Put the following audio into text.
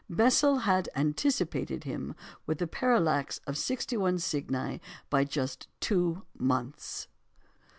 Bessel had anticipated him with the parallax of 61 Cygni by just two months.